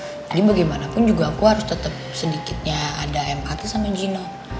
jadi bagaimanapun juga aku harus tetap sedikitnya ada empati sama gino